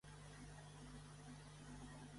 Jo forade, excrete, linxe, esbrame, estordisc, humilie